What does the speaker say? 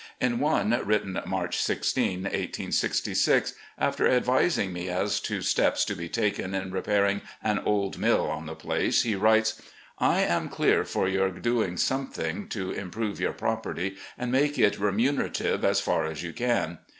In one written March i6, 1866, after advising me as to steps to be taken in repairing an old mill on the place, he writes: " I am clear for yom: doing everything to improve your property and make it remunerative as far as you can.